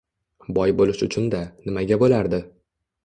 — Boy bo'lish uchun-da, nimaga bo‘lardi.